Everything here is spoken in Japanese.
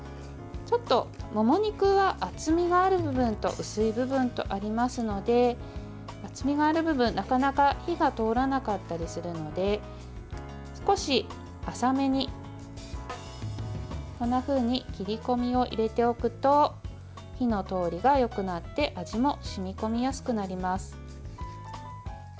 ちょっともも肉は厚みがある部分と薄い部分とありますので厚みがある部分、なかなか火が通らなかったりするので少し浅めに、こんなふうに切り込みを入れておくと火の通りがよくなって味も染み込みやすくなります。